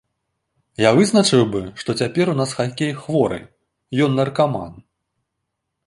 Я вызначыў бы, што цяпер у нас хакей хворы, ён наркаман.